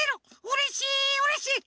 うれしい！